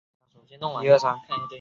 姜市最为人熟悉的景点是圣陵。